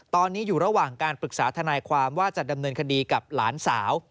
ตอนนี้อยู่ระหว่างการปรึกษาทนายความว่าจะดำเนินคดีกับหลานสาว